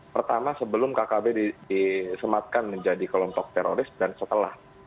pertama sebelum kkb disematkan menjadi kelompok teroris dan setelah